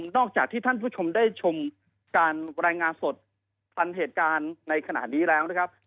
จากที่ท่านผู้ชมได้ชมการรายงานสดพันเหตุการณ์ในขณะนี้แล้วนะครับ